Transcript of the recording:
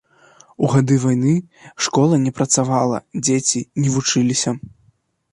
У гады войны школа не працавала, дзеці не вучыліся.